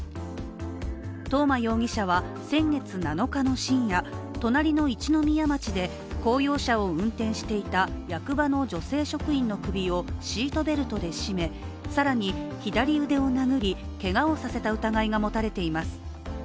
東間容疑者は先月７日の深夜、隣の一宮町で公用車を運転していた役場の女性職員の首をシートベルトで絞め更に、左腕を殴りけがをさせた疑いが持たれています。